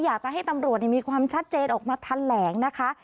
อยากจะให้ตำรวจมีความชัดเจนออกมาทันแหลงนะคะ